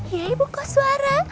iya bu kosuara